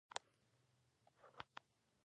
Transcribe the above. تخته یو ځل بیا و څرخېدل، د سیند غاړې ته مې.